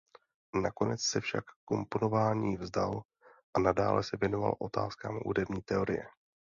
Nakonec se však komponování vzdal a nadále se věnoval otázkám hudební teorie.